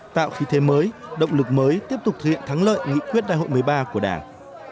tạo khí thế mới động lực mới tiếp tục thực hiện thắng lợi nghị quyết đại hội một mươi ba của đảng